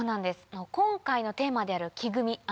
今回のテーマである木組み。